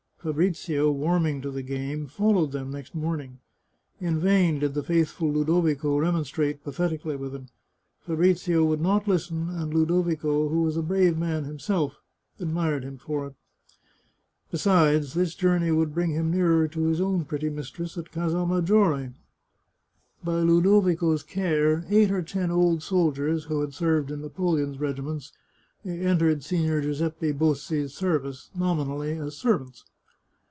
Fabrizio, warming to the game, followed them next morning. In vain did the faithful Ludovico remonstrate pathetically with him. Fabrizio would not listen, and Ludo vico, who was a brave man himself, admired him for it. Be sides, this journey would bring him nearer his own pretty mistress at Casal Maggiore. By Ludovico's care, eight or ten old soldiers who had served in Napoleon's regiments, entered Sig^or Giuseppe Bossi's service, nominally as serv ants.